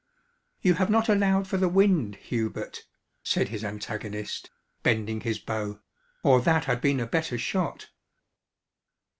"You have not allowed for the wind, Hubert," said his antagonist, bending his bow, "or that had been a better shot."